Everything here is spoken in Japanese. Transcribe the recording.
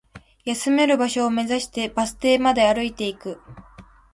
休める場所を目指して、バス停まで歩いていく